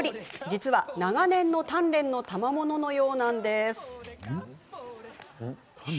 実は、長年の鍛錬のたまもののようなんです。